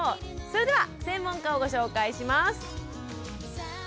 それでは専門家をご紹介します。